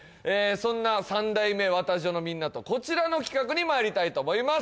そんな３代目ワタジョのみんなとこちらの企画にまいりたいと思います